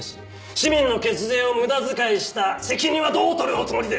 市民の血税を無駄遣いした責任はどう取るおつもりで？